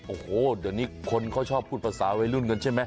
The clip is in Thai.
โอ้โหเดี๋ยวนี้คนเขาชอบพูดภาษาวัยรุ่นกันใช่ไหม